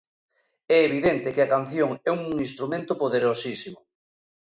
É evidente que a canción é un instrumento poderosísimo.